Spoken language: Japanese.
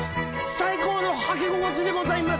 最高の履き心地でございま